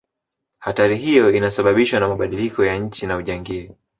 hatari hiyo inasababishwa na mabadiliko ya nchi na ujangili